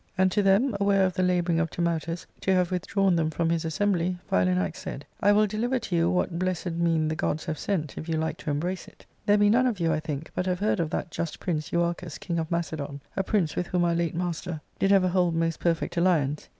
And to them, aware of the labour ing of Timautus to have withdrawn them from his assembly, Philanax said, " I will deliver to you what blessed mean* the gods have sent, if you Hke to embrace it. There be none of you, I think, but have heard of that just prince Euarchus, king of Macedon ; a prince with whom our late master did ever hold most perfect alliance.